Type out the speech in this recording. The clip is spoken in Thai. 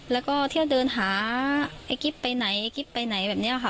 แล้วก็เที่ยวเดินหาไอ้กิ๊บไปไหนกิ๊บไปไหนแบบนี้ค่ะ